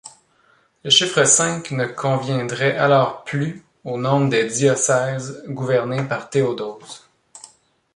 Le chiffre cinq ne conviendrait alors plus au nombre des diocèses gouvernés par Théodose.